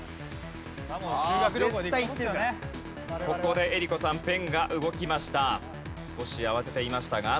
ここで江里子さんペンが動きました。